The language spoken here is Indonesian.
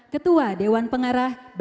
ketua dewan pengarah